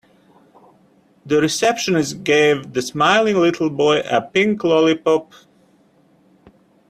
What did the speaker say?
The receptionist gave the smiling little boy a pink lollipop.